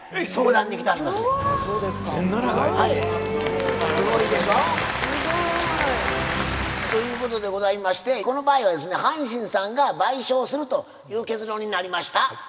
すごいでしょ。ということでございましてこの場合はですね阪神さんが賠償するという結論になりました。